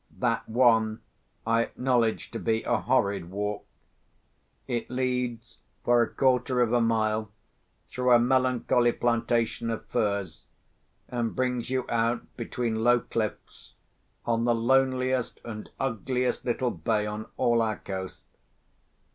That one I acknowledge to be a horrid walk. It leads, for a quarter of a mile, through a melancholy plantation of firs, and brings you out between low cliffs on the loneliest and ugliest little bay on all our coast.